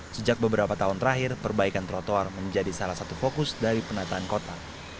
sejak beberapa tahun terakhir perbaikan trotoar menjadi salah satu fokus dari penataan kota